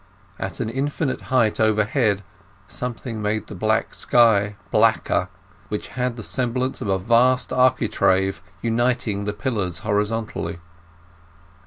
At an indefinite height overhead something made the black sky blacker, which had the semblance of a vast architrave uniting the pillars horizontally.